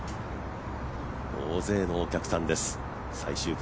大勢のお客さんです、最終組